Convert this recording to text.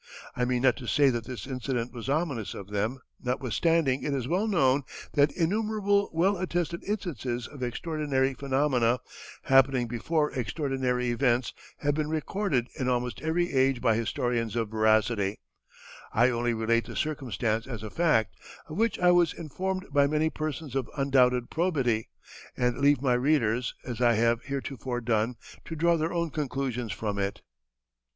I mean not to say that this incident was ominous of them, notwithstanding it is well known that innumerable well attested instances of extraordinary phenomena, happening before extraordinary events, have been recorded in almost every age by historians of veracity; I only relate the circumstance as a fact, of which I was informed by many persons of undoubted probity, and leave my readers, as I have heretofore done, to draw their own conclusions from it."